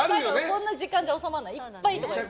こんな時間じゃ収まらない。